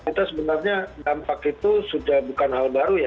kita sebenarnya dampak itu sudah bukan hal baru ya